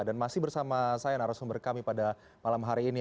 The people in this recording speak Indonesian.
dan masih bersama saya narasumber kami pada malam hari ini